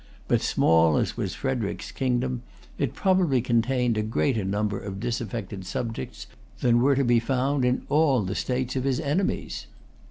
But small as was Frederic's kingdom, it probably contained a greater number of disaffected subjects than were to be found in all the states of his enemies.